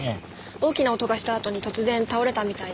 大きな音がしたあとに突然倒れたみたいで。